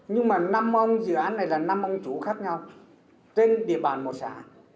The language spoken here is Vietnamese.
nhưng mà năm ông dự án này là năm ông chủ khác nhau trên địa bàn một xã